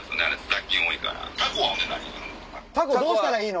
タコどうしたらいいの？